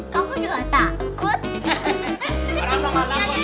kemu penakut sih